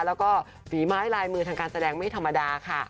แล้วก็ฝีไม้ลายมือทางการแสดงไม่ธรรมดาค่ะ